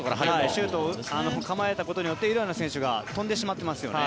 シュートを構えたことによってイランの選手が飛んでしまってますよね。